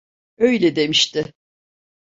Öyle demişti.